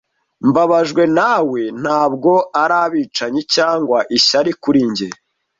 Mbabajwe nawe, ntabwo ari abicanyi cyangwa ishyari kuri njye,